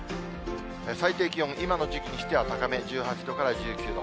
最低気温、今の時期にしては高め、１８度から１９度。